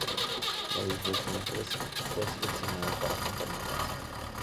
David Ruffin fue seleccionado para cantar en la canción.